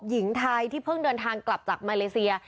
หญิงไทยที่เพิ่งเดินทางกลับจากมาเลเซีย